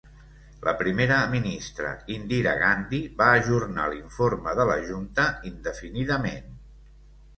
La primera ministra Indira Gandhi va ajornar l'informe de la junta indefinidament.